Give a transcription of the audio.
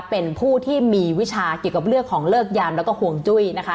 เป็นผู้ที่มีวิชาเกี่ยวกับเรื่องของเลิกยามแล้วก็ห่วงจุ้ยนะคะ